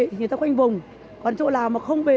thì người ta khoanh vùng còn chỗ nào mà không về